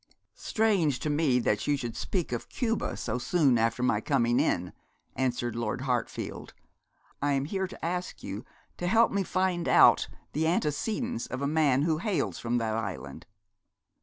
'Strange to me that you should speak of Cuba so soon after my coming in,' answered Lord Hartfield. 'I am here to ask you to help me to find out the antecedents of a man who hails from that island.'